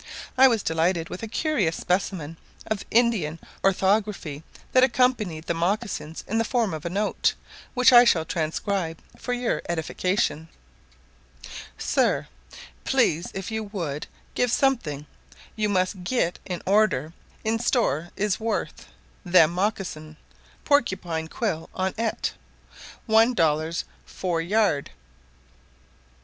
I was delighted with a curious specimen of Indian orthography that accompanied the mocassins, in the form of a note, which I shall transcribe for your edification: SIR, Pleas if you would give something; you must git in ordir in store is woyth (worth) them mocsin, porcupine quill on et. One dollers foure yard.